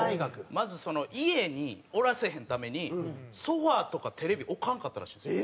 まずその家におらせへんためにソファとかテレビ置かんかったらしいですよ。